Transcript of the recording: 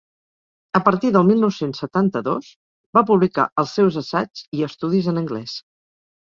A partir del mil nou-cents setanta-dos, va publicar els seus assaigs i estudis en anglès.